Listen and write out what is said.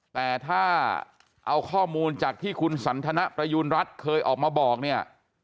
แต่ถ้าเอาข้อมูลจากที่คุณสันทนประยูณรัฐเคยออกมาบอกเนี่ย